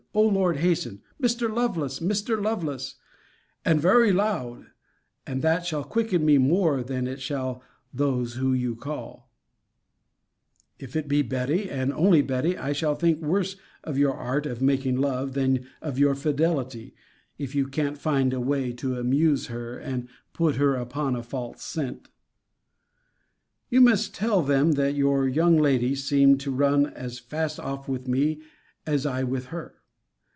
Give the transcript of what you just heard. O Lord, hasten! Mr. Lovelace! Mr. Lovelace! And very loud and that shall quicken me more than it shall those you call to. If it be Betty, and only Betty, I shall think worse of your art of making love* than of your fidelity, if you can't find a way to amuse her, and put her upon a false scent. * See Vol.II. Letter XXIX. You must tell them that your young lady seemed to run as fast off with me as I with her.